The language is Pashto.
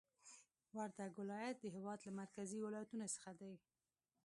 وردګ ولایت د هېواد له مرکزي ولایتونو څخه دی